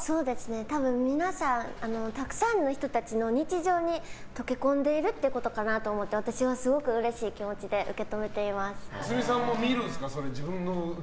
多分皆さんたくさんの人たちの日常に溶け込んでるってことかなと思って、私はすごくうれしい気持ちでａｓｍｉさんも見るんですか？